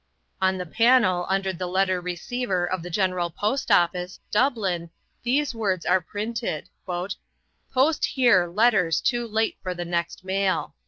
On the panel under the letter receiver of the General Post Office, Dublin, these words are printed: "Post here letters too late for the next mail."